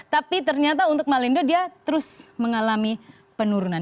tapi ternyata untuk malindo dia terus mengalami penurunan